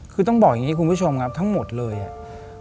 คือต้องบอกอย่างนี้คุณผู้ชมครับทั้งหมดเลยอ่ะ